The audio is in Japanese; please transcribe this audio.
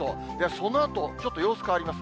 そのあとちょっと様子変わります。